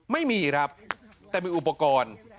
ไม่มีครับแต่มีอุปกรณ์